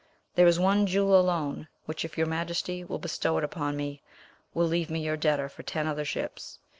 There is one jewel alone which, if your Majesty will bestow it upon me, will leave me your debtor for ten other ships.